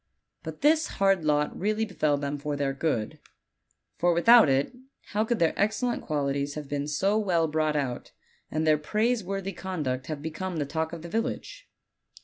But this hard lot really befell them for their good; for without it how could their excellent qualities have been so well brought out, and their praiseworthy conduct have become the talk of the village?